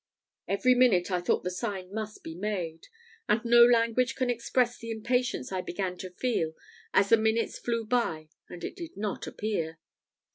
Every minute I thought the sign must be made, and no language can express the impatience I began to feel as the minutes flew by and it did not appear.